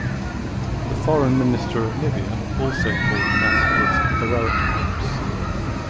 The Foreign Minister of Libya also called the massacres "heroic acts".